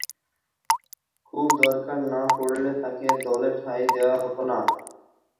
খুব দরকার না পড়লে তাকে দলে ঠাঁই দেয়া হতো না।